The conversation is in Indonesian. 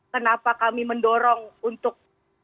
kenapa kami mendorong untuk